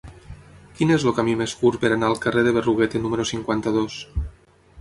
Quin és el camí més curt per anar al carrer de Berruguete número cinquanta-dos?